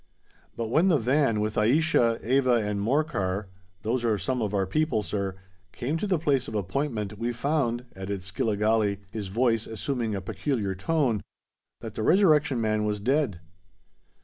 But when the van, with Aischa, Eva, and Morcar,—those are some of our people, sir,—came to the place of appointment, we found," added Skilligalee, his voice assuming a peculiar tone, "that the Resurrection Man was dead."